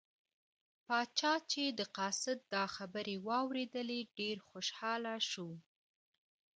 پاچا چې د قاصد دا خبرې واوریدلې ډېر خوشحاله شو.